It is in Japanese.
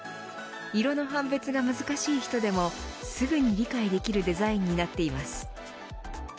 色の判別が難しい人でもすぐに理解できるデザインになっています。